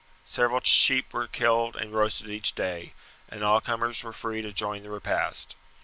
Several sheep were killed and roasted each day, and all comers were free to join the repast.